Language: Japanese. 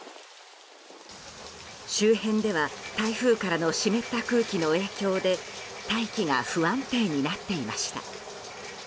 周辺では台風からの湿った空気の影響で大気が不安定になっていました。